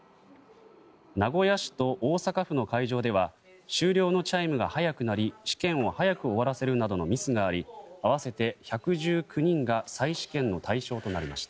名古屋市と大阪府の会場では終了のチャイムが早く鳴り試験を早く終わらせるなどのミスがあり合わせて１１９人が再試験の対象となりました。